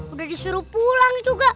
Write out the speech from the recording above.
udah disuruh pulang juga